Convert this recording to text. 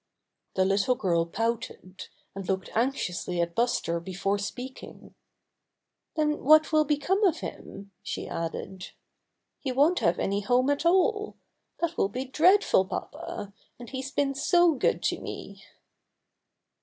The little girl pouted, and looked anxiously at Buster before speaking. "Then what will become of him?" she added. "He won't have 122 Buster the Bear any home at all. That will be dreadful, papa, and he's been so good to me."